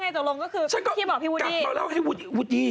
ว่างเสี่ยงปลาภายคุณด้วย